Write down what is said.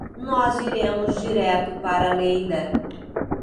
Nós iremos direto para Lleida.